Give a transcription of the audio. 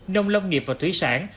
nông lông nghiệp và thúy sản